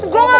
gue gak mau